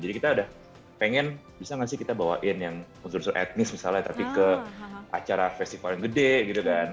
jadi kita udah pengen bisa enggak sih kita bawain yang unsur unsur etnis misalnya tapi ke acara festival yang gede gitu kan